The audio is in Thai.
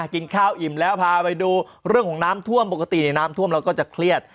กินข้าวอิ่มแล้วพาไปดูเรื่องของน้ำท่วมปกติในน้ำท่วมเราก็จะเครียด